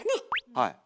はい。